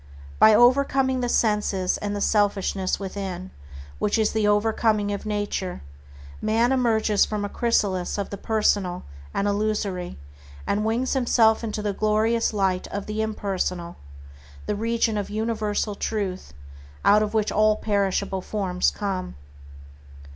By overcoming the senses and the selfishness within, which is the overcoming of nature, man emerges from the chrysalis of the personal and illusory, and wings himself into the glorious light of the impersonal, the region of universal Truth, out of which all perishable forms come.